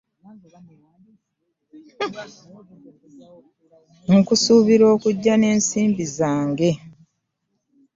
Nkusuubira okujja n'ensimbi zange.